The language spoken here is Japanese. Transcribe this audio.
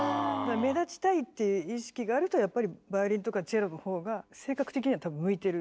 目立ちたいっていう意識があるとやっぱりバイオリンとかチェロのほうが性格的には多分向いてる。